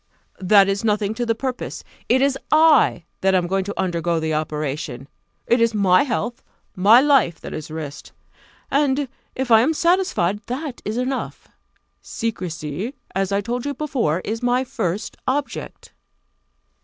That is nothing to the purpose. It is I that am to undergo the operation: it is my health, my life, that is risked; and if I am satisfied, that is enough. Secrecy, as I told you before, is my first object."